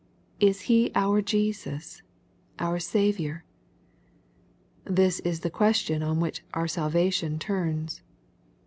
Is He our Jesus, our Saviour ? This is the question on which our salvation turns.